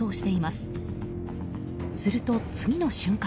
すると、次の瞬間。